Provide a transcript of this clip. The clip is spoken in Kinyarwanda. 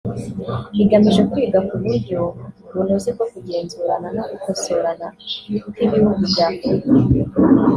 igamije kwiga ku buryo bunoze bwo kugenzurana no gukosorana kw’ibihugu by’Afurika